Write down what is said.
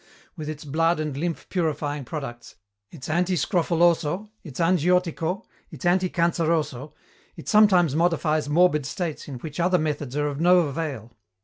With its blood and lymph purifying products, its antiscrofoloso, its angiotico, its anti canceroso, it sometimes modifies morbid states in which other methods are of no avail.